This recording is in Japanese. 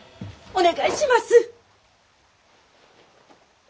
お願いします！